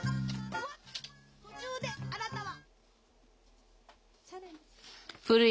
途中で、あなたは。